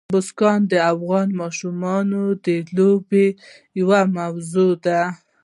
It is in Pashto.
بزګان د افغان ماشومانو د لوبو یوه موضوع ده.